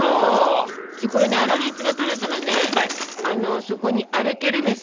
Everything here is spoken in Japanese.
でこれね粗熱が取れたらねそこにアルケルメス！